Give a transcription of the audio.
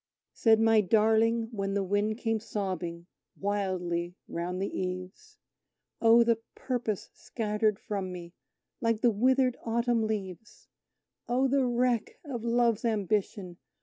Said my darling, when the wind came sobbing wildly round the eaves: "Oh, the Purpose scattered from me, like the withered autumn leaves! Oh, the wreck of Love's ambition!